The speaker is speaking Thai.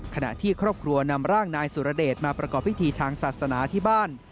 ขณะที่ครอบครัวนำร่างนายสุรเดชมาประกอบพิธีทางศาสนาที่บ้าน